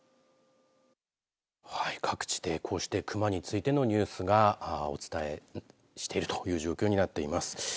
各地でこうして熊についてのニュースがお伝えしているという状況になっています。